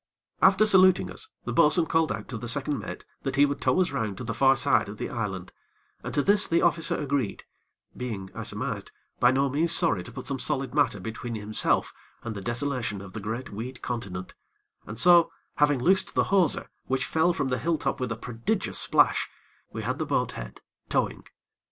After saluting us the bo'sun called out to the second mate that he would tow us round to the far side of the island, and to this the officer agreed, being, I surmised, by no means sorry to put some solid matter between himself and the desolation of the great weed continent; and so, having loosed the hawser, which fell from the hill top with a prodigious splash, we had the boat head, towing.